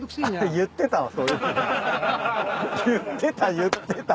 言ってた言ってた。